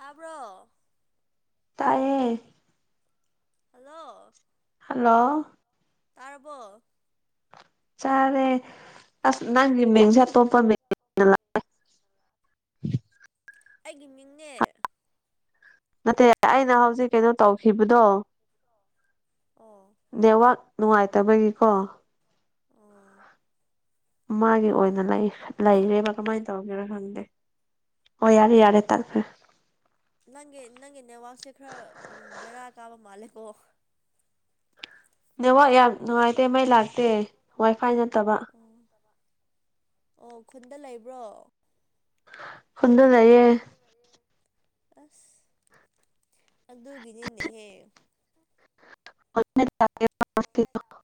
ꯇꯥꯕ꯭ꯔꯣ ꯇꯥꯏꯌꯦ hello hello ꯇꯥꯔꯕꯣ ꯆꯔꯦ ꯑꯁ ꯅꯪꯒꯤ ꯃꯤꯡꯁꯦ ꯑꯇꯣꯄꯥ ꯑꯩꯒꯤ ꯃꯤꯡꯅꯦ ꯅꯠꯇꯦ ꯑꯩꯅ ꯍꯧꯖꯤꯛ ꯀꯩꯅꯣ ꯇꯧꯈꯤꯕꯗꯣ ꯑꯣ ꯅꯦꯠꯋꯥꯛ ꯅꯨꯡꯉꯥꯏꯇꯕꯒꯤꯀꯣ ꯑꯥ ꯃꯥꯒꯤ ꯑꯣꯏꯅ ꯂꯩ ꯂꯩꯔꯦꯕ ꯀꯃꯥꯏꯅ ꯇꯧꯒꯦꯔ ꯈꯪꯗꯦ ꯑꯣ ꯌꯥꯔꯦ ꯌꯥꯔꯦ ꯑꯉꯝ ꯇꯠꯈ꯭ꯔꯦ ꯅꯪꯒꯤ ꯅꯪꯒꯤ ꯅꯦꯠꯋꯥꯛꯛꯁꯦ ꯈꯔ ꯕꯦꯔꯥ ꯀꯥꯕ ꯃꯥꯜꯂꯦꯀꯣ ꯅꯦꯋꯥꯛ ꯌꯥꯝ ꯅꯨꯡꯉꯥꯏꯇꯦ ꯃꯩ ꯂꯥꯛꯇꯦ ꯋꯥꯏ ꯐꯥꯏ ꯅꯠꯇꯕ ꯑꯣ ꯑꯣ ꯈꯨꯟꯗ ꯂꯩꯕ꯭ꯔꯣ ꯈꯨꯟꯗ ꯂꯩꯏꯌꯦ ꯑꯁ ꯑꯗꯨ ꯑꯗꯨꯒꯤꯅꯤꯅꯦ ꯍꯦ [unintelligible]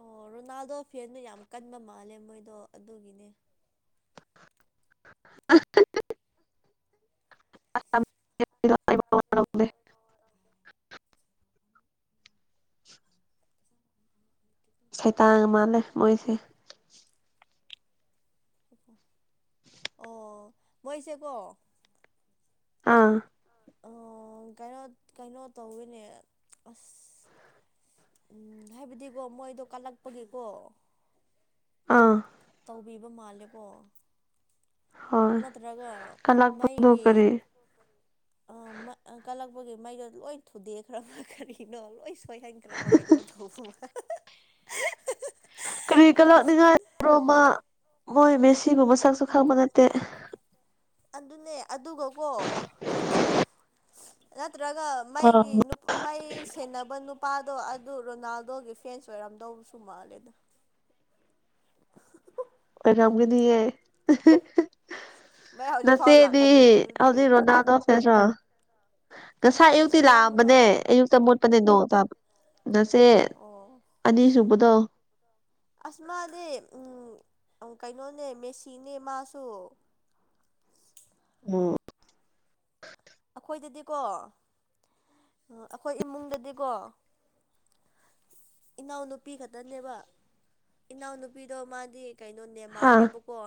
ꯑꯣ ꯔꯣꯅꯥꯜꯗꯣ ꯐꯦꯟꯗꯣ ꯌꯥꯝ ꯀꯟꯕ ꯃꯥꯜꯂꯦ ꯃꯣꯏꯗꯣ ꯑꯗꯨꯒꯤꯅꯦ ꯑ [unintelligible] [unintelligible] ꯁꯩꯇꯥꯡ ꯃꯥꯜꯂꯦ ꯃꯣꯏꯁꯦ ꯑꯣ ꯃꯣꯏꯁꯦ ꯀꯣ ꯑꯥ ꯑꯣ ꯀꯩꯅꯣ ꯀꯩꯅꯣ ꯇꯧꯋꯤꯅꯦ ꯑꯁ ꯎꯝ ꯍꯥꯏꯕꯗꯤꯀꯣ ꯃꯣꯏꯗꯣ ꯀꯜꯂꯛꯄꯒꯤꯀꯣ ꯑꯥ ꯇꯧꯕꯤꯕ ꯃꯥꯜꯂꯦꯕꯣ ꯍꯣꯏ ꯅꯠꯇ꯭ꯔꯒ ꯀꯂꯛꯄꯗꯣ ꯃꯩꯒꯤ ꯀꯔꯤ ꯑ ꯀꯂꯛꯄꯒꯤ ꯃꯩꯗꯣ ꯂꯣꯏ ꯊꯨꯗꯦꯛ ꯈ꯭ꯔꯕ ꯀꯔꯤꯅꯣ ꯂꯣꯏ ꯑꯣꯏꯍꯟꯈ꯭ꯔꯥꯕ ꯀꯩꯅꯣ ꯇꯧꯕ ꯃꯥꯜꯂꯦ ꯀꯔꯤ ꯀꯂꯛꯅꯤꯉꯥꯏ꯭ꯔꯣꯃ ꯃꯣꯏ ꯃꯦꯁꯤꯕꯨ ꯃꯁꯛꯁꯨ ꯈꯪꯕ ꯅꯠꯇꯦ ꯑꯗꯨꯅꯦ ꯑꯗꯨꯒꯀꯣ ꯅꯠꯇ꯭ꯔꯒ ꯃꯩꯒꯤ ꯅꯨ ꯃꯩ ꯁꯦꯟꯅꯕ ꯅꯨꯄꯥꯗꯣ ꯑꯗꯨ ꯔꯣꯅꯥꯜꯗꯣꯒꯤ ꯐꯦꯟꯁ ꯑꯣꯏꯔꯝꯗꯧꯕꯁꯨ ꯃꯥꯜꯂꯦꯗ ꯑꯣꯏꯔꯝꯒꯅꯤꯌꯦ ꯃꯩ ꯍꯧꯖꯤꯛꯐꯥꯎ ꯅꯆ‌ꯦꯗꯤ ꯂꯥꯛꯍꯟꯗ꯭ꯔꯤꯗꯨꯗꯤ ꯍꯧꯖꯤꯛ ꯔꯣꯅꯥꯜꯗꯣ ꯐꯦꯟꯁꯔ‌ꯣ ꯉꯁꯥꯏ ꯏꯆꯦ ꯑꯌꯨꯛꯇꯤ ꯀꯔꯝꯕꯅꯣ ꯂꯥꯛꯑꯝꯕꯅꯦ ꯑꯌꯨꯛꯇ ꯃꯨꯠ ꯄꯅꯦ ꯅ‌ꯣꯡꯇꯥꯕ ꯅꯆ‌ꯦ ꯑꯣ ꯑꯅꯤꯁꯨꯕꯗꯣ ꯑꯁ ꯃꯥꯗꯤ ꯀꯩꯅꯣꯅꯦ ꯃꯦꯁꯤꯅꯦ ꯃꯥꯁꯨ ꯑꯣ ꯑꯩꯈꯣꯏꯗꯗꯤꯀꯣ ꯑꯩꯈꯣꯏ ꯏꯃꯨꯡꯗꯗꯤꯀꯣ ꯏꯅꯥꯎꯅꯨꯄꯤ ꯈꯛꯇꯅꯦꯕ ꯏꯅꯥꯎꯅꯨꯄꯤꯗꯣ ꯃꯥꯗꯤ ꯀꯩꯅꯣ ꯍꯥ ꯅꯦꯃꯥꯔꯅꯦꯕꯀꯣ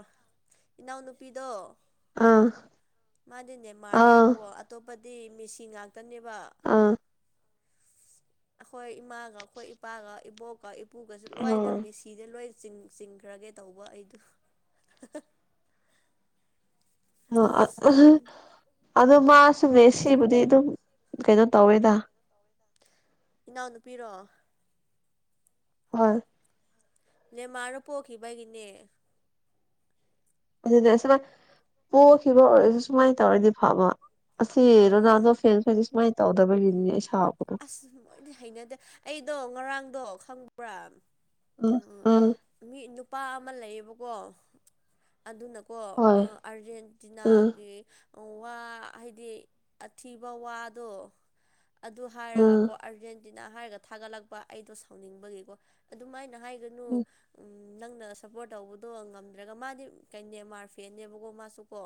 ꯏꯅꯥꯎꯅꯨꯄꯤꯗꯣ ꯑꯥ ꯃꯥꯗꯤ ꯅꯦꯃꯥꯔꯅꯦꯕꯀꯣ ꯑꯇꯣꯞꯄꯗꯤ ꯃꯦꯁꯤ ꯉꯥꯛꯇꯅꯦꯕ ꯑꯥ ꯑꯩꯈꯣꯏ ꯏꯃꯥꯒ ꯑꯩꯈꯣꯏ ꯏꯄꯥꯒ ꯏꯕꯣꯛꯀ ꯄꯨ ꯒꯁꯨ ꯂꯣꯏꯅ ꯑ ꯃ‌ꯦꯁꯤꯗ ꯂꯣꯏꯅ ꯆꯤꯡꯈ꯭ꯔꯒꯦ ꯇꯧꯕ ꯑꯩꯗꯨ ꯑꯣ ꯑꯗꯨ ꯃꯥꯁꯨ ꯃ‌ꯦ ꯁꯤꯕꯨꯗꯤ ꯑꯗꯨꯝ ꯀꯩꯅꯣ ꯇꯧꯋꯦꯗ ꯏꯅꯥꯎꯅꯨꯄꯤꯔꯣ ꯍꯣꯏ ꯅꯦꯃꯥꯔꯗ‌ꯣ ꯄꯣꯈꯤꯕꯒꯤꯅꯦ ꯑꯗꯨꯗꯤ ꯁꯨꯃꯥꯏꯅ ꯄꯣꯛꯈꯤꯕ ꯑꯣꯏꯔꯁꯨ ꯁꯨꯃꯥꯏꯅ ꯇꯧꯔꯗꯤ ꯐꯕ ꯑꯁꯤ ꯍꯣꯏ ꯔꯣꯅꯥꯜꯗꯣ ꯐ꯭ꯦꯟꯁ ꯍ‌ꯣꯏꯗꯤ ꯁꯨꯃꯥꯏꯅ ꯇꯧꯗꯕꯒꯤꯅꯤꯅꯦ ꯁꯥꯎꯕꯗꯣ ꯑꯁ ꯃꯣꯏꯗꯤ ꯍꯩꯅꯗꯦ ꯑꯩꯗꯣ ꯉꯔꯥꯡꯗꯣ ꯈꯪꯕ꯭ꯔꯥ ꯑꯣ ꯃꯤ ꯅꯨꯄꯥ ꯑꯃ ꯂꯩꯌꯦꯕꯀꯣ ꯑꯗꯨꯅ ꯀꯣ ꯑꯥꯔꯖꯦꯟꯇꯤꯅꯥꯒꯤ ꯋꯥ ꯍꯥꯏꯗꯤ ꯑꯊꯤꯕ ꯋꯥꯗꯣ ꯑꯗꯨ ꯍꯥꯏꯔꯒꯀꯣ ꯑꯥꯔꯖꯦꯟꯇꯤꯅꯥ ꯍꯥꯏꯔꯒ ꯊꯥꯒꯠꯂꯛꯄ ꯑꯩꯗꯣ ꯁꯥꯎꯅꯤꯡꯕꯒꯤꯀꯣ ꯑꯗꯨꯃꯥꯏꯅ ꯍꯥꯏꯒ ꯒꯅꯨ ꯑꯁꯤ ꯎꯝ ꯅꯪꯅ ꯁꯞꯄꯣꯔꯠ ꯇꯧꯕꯗꯣ ꯉꯝꯗ꯭ꯔꯒ ꯃꯥꯗꯤ ꯅ‌ꯦꯃꯥꯔ ꯐꯦꯟꯅ‌ꯦꯕꯀꯣ ꯃꯥꯁꯨꯀꯣ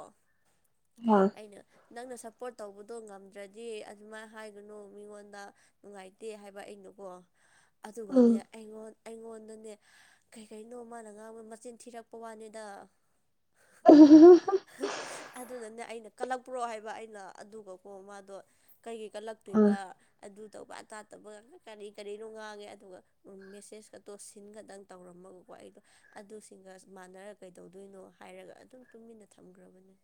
ꯍꯥ ꯑꯩꯅ ꯅꯪꯅ ꯁꯞꯄꯣꯔꯠ ꯇꯧꯕꯗꯣ ꯉꯝꯗ꯭ꯔꯗꯤ ꯑꯗꯨꯃꯥꯏꯅ ꯍꯥꯏꯒꯅꯨ ꯃꯤꯉꯣꯟꯗ ꯅꯨꯡꯉꯥꯏꯇꯦ ꯍꯥꯏꯕ ꯑꯩꯅꯀꯣ ꯑꯗꯨꯒꯅꯦ ꯑꯩꯉꯣꯟ ꯑꯩꯉꯣꯟꯗꯅꯦ ꯀꯔꯤ ꯀꯩꯅꯣ ꯃꯥꯅ ꯉꯥꯡꯕ ꯃꯆꯤꯟ ꯊꯤꯔꯛꯄ ꯋꯥꯅꯤꯗ ꯍ ꯑꯗꯨꯅꯅꯦ ꯑꯩꯅ ꯀꯜꯂꯛꯄ꯭ꯔꯣ ꯍꯥꯏꯕ ꯑꯩꯅ ꯑꯗꯨꯒꯀꯣ ꯃꯥꯗꯣ ꯀꯩꯒꯤ ꯀꯜꯂꯛ ꯋꯥ ꯑꯗꯨ ꯇꯧꯕ ꯑꯗꯥꯇꯩꯕꯒ ꯀꯔꯤ ꯀꯔꯤꯅꯣ ꯉꯥꯡꯉꯦ ꯑꯗꯨꯒ ꯃꯦꯁꯦꯁ ꯀꯗ‌ꯣ ꯁꯤꯟꯒꯗꯪ ꯇꯧꯔꯝꯃꯒꯀꯣ ꯑꯩꯗꯣ ꯑꯗꯨꯁꯤꯡꯒ ꯃꯥꯟꯅꯔ ꯀꯩꯗꯧꯗꯣꯏꯅꯣ ꯍꯥꯏꯔꯒ ꯑꯗꯨꯝ ꯇꯨꯃꯤꯟꯅ ꯊꯝꯈ꯭ꯔꯕꯅꯦ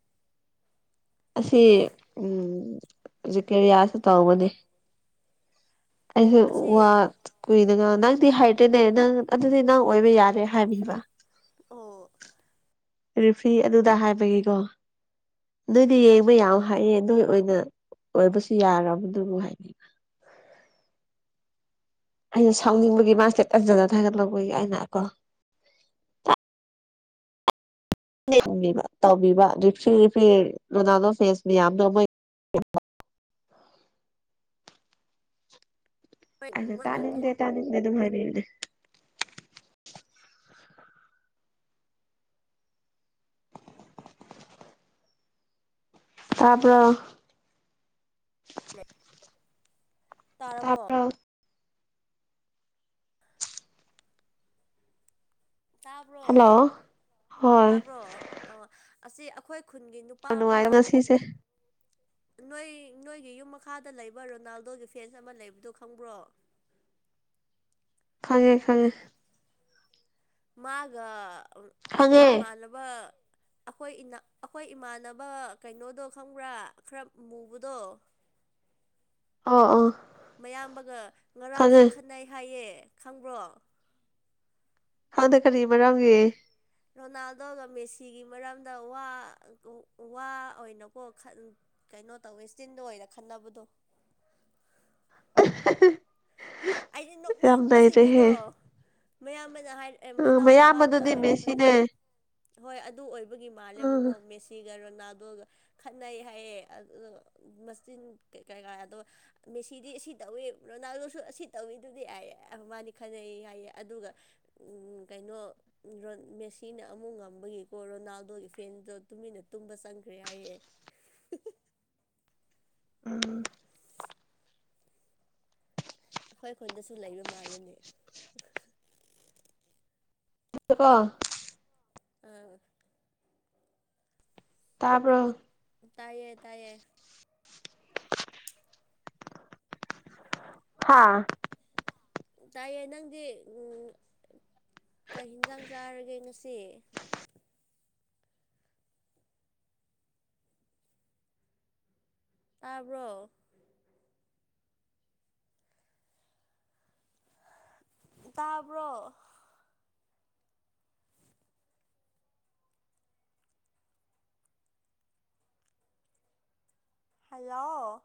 ꯑꯁꯤ ꯎꯝ ꯖꯤꯀꯦꯌꯥꯁꯨ ꯇꯧꯕꯅꯤ ꯑꯩꯁꯨ ꯑꯁꯤ ꯋꯥ ꯀꯨꯏꯅꯒ ꯅꯪꯗꯤ ꯍꯥꯏꯗ꯭ꯔꯦꯅꯦ ꯅꯪ ꯑꯗꯨꯗꯤ ꯅꯪ ꯑꯣꯏꯕ ꯌꯥꯔꯦ ꯍꯥꯏꯕꯤꯕ ꯑꯣ ꯔꯤꯐꯤ ꯑꯗꯨꯗ ꯍꯥꯏꯕꯒꯤꯀꯣ ꯅꯣꯏꯗꯤ ꯌꯦꯡꯕ ꯌꯥꯝ ꯍꯥꯏꯌꯦ ꯅꯣꯏ ꯑꯣꯏꯅ ꯑꯣꯏꯕꯁꯨ ꯌꯥꯔꯕꯗꯨꯕꯨ ꯍꯥꯏꯕꯤꯌꯨ ꯑꯩꯅ ꯁꯥꯎꯅꯤꯡꯕꯒꯤ ꯃꯥꯁꯦ ꯁꯇ‌ꯦꯇꯁꯇꯒ ꯙꯥꯒꯠꯂꯛꯄꯩ ꯑꯩꯅ ꯀꯣ ꯌꯦꯡꯕ ꯇꯧꯕꯤꯕ ꯔ‌ꯦꯐꯔꯤ ꯔ‌ꯦꯐꯔꯤ ꯔꯣꯅꯥꯜꯗꯣ ꯐꯦꯟꯁ ꯃꯌꯥꯝꯗꯣ ꯑꯩꯅ ꯇꯥꯅꯤꯡꯗꯦ ꯇꯥꯅꯤꯡꯗꯦ ꯑꯗꯨꯝ ꯍꯥꯏꯕꯤꯌꯨꯅꯦ ꯇꯥꯕꯔ‌ꯣ ꯇꯥꯔꯕꯣ ꯇꯥꯕ꯭ꯔꯣ ꯇꯥꯕ꯭ꯔꯣ ꯍꯜꯂꯣ ꯍꯣꯏ ꯇꯥꯕ꯭ꯔꯣ ꯑ ꯑꯁꯤ ꯑꯩꯈꯣꯏ ꯈꯨꯟꯒꯤ ꯅꯨ ꯄꯥ ꯌꯥꯝ ꯑꯃ ꯅꯨꯡꯉꯥꯏꯕ ꯉꯁꯤꯁꯦ ꯅꯣꯏ ꯅꯣꯏꯒꯤ ꯌꯨꯝ ꯃꯈꯥꯗ ꯂꯩꯕ ꯔꯣꯅꯥꯜꯗꯣꯒꯤ ꯐꯦꯟꯁ ꯑꯃ ꯂꯩꯕꯗꯣ ꯈꯪꯕ꯭ꯔꯣ ꯈꯪꯉꯦ ꯈꯪꯉꯦ ꯃꯥꯒ ꯑꯩꯈꯣꯏ ꯈꯪꯉꯦ ꯏꯃꯥꯟꯅꯕ ꯑꯩꯈꯣꯏ ꯑꯩꯈꯣꯏ ꯏꯃꯥꯟꯅꯕ ꯀꯩꯅꯣꯗꯣ ꯈꯪꯕ꯭ꯔꯥ ꯈꯔ ꯃꯨꯕꯗꯣ ꯑꯥ ꯑ ꯃꯌꯥꯝꯕꯒ ꯉꯔꯥꯡꯁꯨ ꯈꯟꯅꯩ ꯍꯥꯏꯌꯦ ꯈꯪꯕ꯭ꯔꯣ ꯈꯪꯗꯦ ꯀꯔꯤ ꯃꯔꯝꯒꯤ ꯔꯣꯅꯥꯜꯗꯣꯒ ꯃꯦꯁꯤꯒꯤ ꯃꯔꯝꯗ ꯋꯥ ꯋꯥ ꯑꯣꯏꯅꯀꯣ ꯈꯠ ꯀꯩꯅꯣ ꯇꯧꯋꯦ ꯆꯤꯟꯗ ꯑꯣꯏꯅ ꯈꯠꯅꯕꯗꯣ [unintelligible] ꯑꯩꯗꯤ ꯌꯥꯝ ꯅꯣꯛꯅꯤꯡꯕꯁꯤꯗꯤꯀꯣ ꯅꯩꯔꯦꯍꯦ ꯃꯌꯥꯝꯕꯅ ꯍꯥꯏꯔ ꯑꯦ ꯎꯝ ꯃꯅꯥꯎ ꯅꯨꯄꯥꯗꯨꯅ ꯃꯌꯥꯝꯕꯗꯨꯗꯤ ꯍꯥꯏꯔꯛꯄꯅꯦ ꯃꯦꯁꯤꯅꯦ ꯍꯣꯏ ꯑꯗꯨ ꯑꯣꯏꯕꯒꯤ ꯎꯝ ꯃꯥꯜꯂꯦꯕꯀꯣ ꯃꯦꯁ ꯁꯤꯒ ꯔꯣꯅꯥꯗꯣꯒ ꯈꯠꯅꯩ ꯍꯥꯏꯌꯦ ꯃꯆꯤꯟ ꯀꯩꯀꯥ ꯑꯗꯣ ꯃꯦꯁꯤꯗꯤ ꯑꯁꯤ ꯇꯧꯋꯤ ꯔꯣꯅꯥꯟꯗꯣ ꯁ ꯑꯁꯤ ꯇꯧꯋꯤꯗꯨꯗꯤ ꯍꯥꯌꯦ ꯃꯥꯅꯤ ꯈꯟꯅꯩ ꯍꯥꯏꯌꯦ ꯑꯗꯨꯒ ꯀꯩꯅꯣ ꯃꯦꯁꯤꯅ ꯑꯃꯨꯛ ꯉꯝꯕꯒꯤꯀꯣ ꯔꯣꯅꯥꯜꯗꯣꯒꯤ ꯐꯦꯟꯗꯣ ꯇꯨꯃꯤꯟꯅ ꯇꯨꯝꯕ ꯆꯪꯈ꯭ꯔꯦ ꯍꯥꯏꯌꯦꯦ [unintelligible] ꯎꯝ ꯑꯩꯈꯣꯏ ꯈꯨꯟꯗꯁꯨ ꯂꯩꯕ ꯃꯥꯜꯂꯦꯅꯦ ꯆꯀꯣ ꯑꯥ ꯇꯥꯕ꯭ꯔꯣ ꯇꯥꯏꯌꯦ ꯇꯥꯏꯌꯦ ꯍꯥꯥ ꯇꯥꯏꯌꯦ ꯅꯪꯗꯤ ꯀꯩ ꯍꯤꯡꯁꯥꯡ ꯆꯥꯔꯒꯦ ꯉꯁꯤ [unintelligible] ꯇꯥꯕ꯭ꯔꯣ ꯇꯥꯕ꯭ꯔꯣ ꯍꯜꯂꯣ